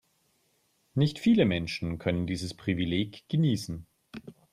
Nicht viele Menschen können dieses Privileg genießen.